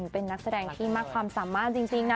เป็นนักแสดงที่มากความสามารถจริงนะ